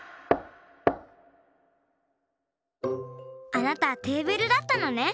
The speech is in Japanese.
あなたテーブルだったのね。